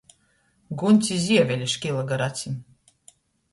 Guņs i zievele škila gar acim.